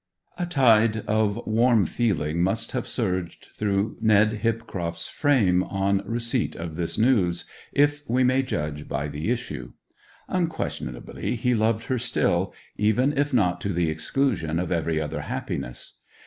A tide of warm feeling must have surged through Ned Hipcroft's frame on receipt of this news, if we may judge by the issue. Unquestionably he loved her still, even if not to the exclusion of every other happiness.